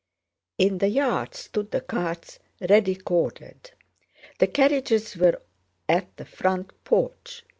In the yard stood the carts ready corded. The carriages were at the front porch.